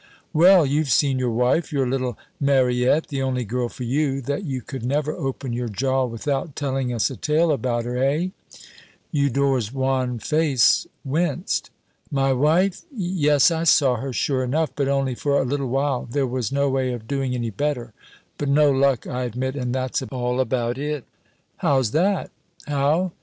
"Well, you've seen your wife, your little Mariette the only girl for you that you could never open your jaw without telling us a tale about her, eh?" Eudore's wan face winced. "My wife? Yes, I saw her, sure enough, but only for a little while there was no way of doing any better but no luck, I admit, and that's all about it." "How's that?" "How?